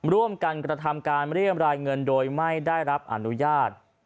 ร่วมกันกระทำการเรียมรายเงินโดยไม่ได้รับอนุญาต